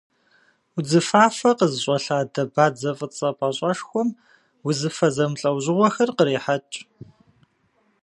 Удзыфафэ къызыщӏэлъадэ бадзэ фӏыцӏэ пӏащӏэшхуэм узыфэ зэмылӏэужьыгъуэхэр кърехьэкӏ.